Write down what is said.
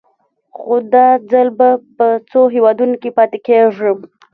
خو دا ځل به په څو هېوادونو کې پاتې کېږم.